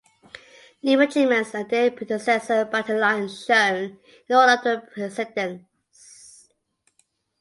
New regiments and their predecessor battalions shown in order of precedence.